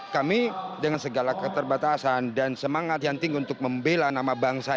kami dengan segala keterbatasan dan semangat yang tinggi untuk membela nama bangsa